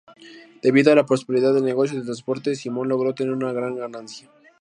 Debido a la prosperidad del negocio de transporte, Simón logró tener una gran ganancia.